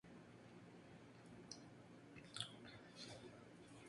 La edición mexicana, nuevamente a cargo de Era, llevó un poema-prólogo de Octavio Paz.